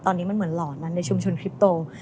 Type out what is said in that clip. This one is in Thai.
ตอนนี้มันเหมือนหล่อนั้นในชุมชนคลิปโต